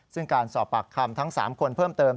ซึ่งการสอบปากคำทั้ง๓คนเพิ่มเติม